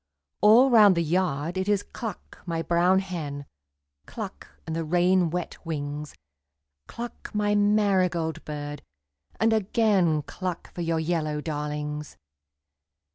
All round the yard it is cluck, my brown hen, Cluck, and the rain wet wings, Cluck, my marigold bird, and again Cluck for your yellow darlings.